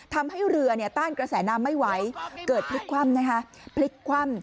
ทำให้เรือต้านกระแสน้ำไม่ไหวเกิดพลิกคว่ำนะคะพลิกคว่ำ